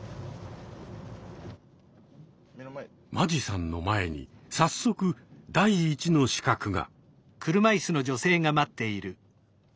間地さんの前に早速第一の刺客が。